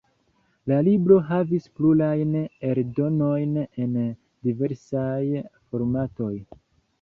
La libro havis plurajn eldonojn en diversaj formatoj.